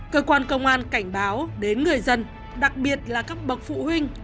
cơ quan công an cảnh báo đến người dân đặc biệt là các bậc phụ huynh